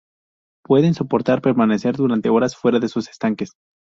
Pueden soportar permanecer durante horas fuera de sus estanques.